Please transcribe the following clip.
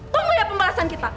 tunggu ya pembalasan kita